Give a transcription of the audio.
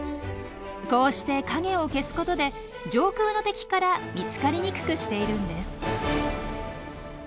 こうして影を消すことで上空の敵から見つかりにくくしているんです。